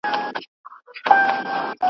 تاسو کله نوی موبایل اخیستی دی؟